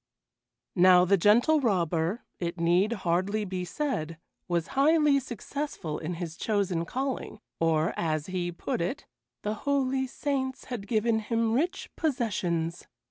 Now the Gentle Robber, it need hardly be said, was highly successful in his chosen calling, or, as he put it, "the holy saints had given him rich possessions."